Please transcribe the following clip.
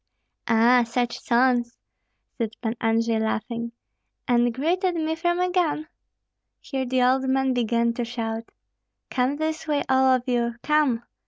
"Ah! such sons," said Pan Andrei, laughing, "and greeted me from a gun?" Here the old man began to shout, "Come this way, all of you! Come!"